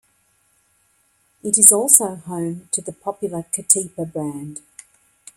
It is also home to the popular Ketepa brand.